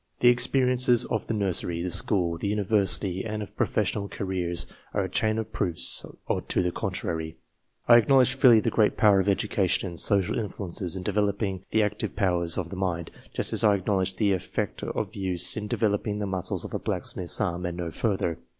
The experiences of the nursery, the school, the University, and of professional careers, are a chain of proofs to the contrary. I acknowledge freely the great power of education and social influences in developing the active powers of the mind, just as I acknowledge the effect of use in developing the muscles of a blacksmith's arm, and no further.